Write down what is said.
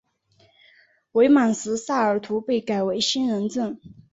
伪满时萨尔图被改为兴仁镇。